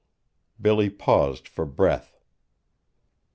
Billy paused for breath.